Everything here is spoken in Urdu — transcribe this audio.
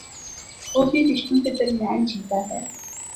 وہ بھی رشتوں کے درمیان جیتا ہے۔